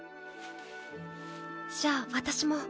じゃあ私も。